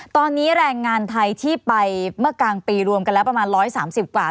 ตอนนี้แรงงานไทยที่ไปเมื่อกลางปีรวมกันแล้วประมาณ๑๓๐กว่า